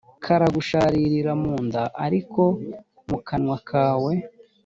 karagusharirira mu nda ariko mu kanwa kawe